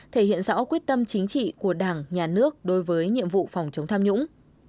thể hiện rõ quyết tâm chính trị của đảng nhà nước đối với nhiệm vụ phòng chống tham nhũng